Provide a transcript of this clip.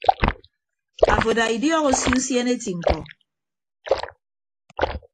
Afo ada idiọk osio usiene eti mkpọ.